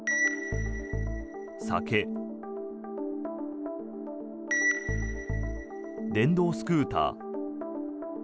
酒、電動スクーター。